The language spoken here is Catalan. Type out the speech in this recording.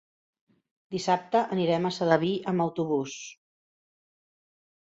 Dissabte anirem a Sedaví amb autobús.